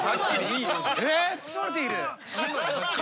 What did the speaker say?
え包まれている。